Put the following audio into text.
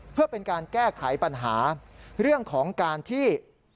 เพื่อเป็นการแก้ไขปัญหาเรื่องของการที่